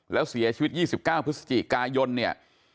แล้วเสียชีวิตยี่สิบเก้าภฤษจิกายนเนี่ย